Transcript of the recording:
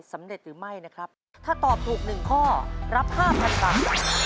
สำเร็จหรือไม่นะครับถ้าตอบถูกหนึ่งข้อรับห้าพันบาท